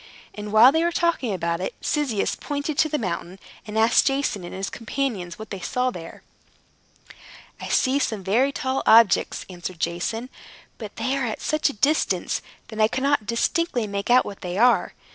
And while they were talking about it, Cyzicus pointed to the mountain, and asked Jason and his companions what they saw there. "I see some very tall objects," answered Jason; "but they are at such a distance that I cannot distinctly make out what they are.